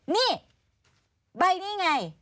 นี่ใบนี้ไง